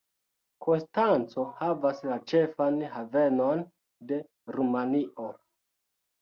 Konstanco havas la ĉefan havenon de Rumanio.